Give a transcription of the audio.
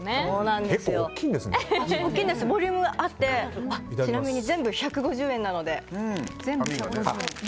ボリュームがあってちなみに全部１５０円なので。